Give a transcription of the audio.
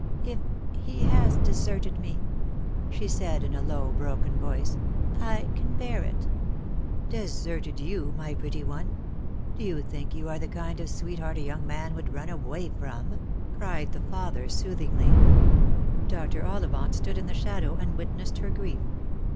" If he has deserted me," she said in a low broken voice, " I can bear it." " Deserted you, my pretty one ! Do you think you are the kind of sweetheart a young man would run away from ?" cried the father soothingly. Dr. Ollivant stood in the shadow and witnessed her grief.